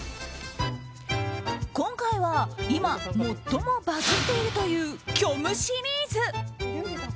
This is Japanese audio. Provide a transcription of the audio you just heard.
今回は今、最もバズっているという虚無シリーズ。